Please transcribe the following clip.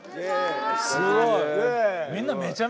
すごい！